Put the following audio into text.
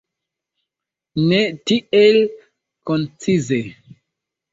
Ne tiel koncize.